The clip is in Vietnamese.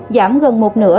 giảm gần một nửa